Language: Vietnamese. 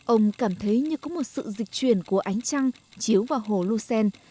ông cảm thấy như có một sự dịch truyền của ánh trăng chiếu vào hồ lucerne